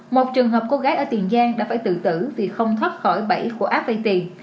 một trường hợp cô gái ở tiền giang đã phải tự tử vì không thoát khỏi bẫy của ap vay tiền